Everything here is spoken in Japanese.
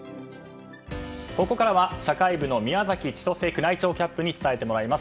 ここからは社会部の宮崎千歳宮内庁キャップに伝えてもらいます。